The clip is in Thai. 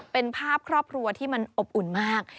เป็นภาพครอบครัวที่มันอบอุ่นมาก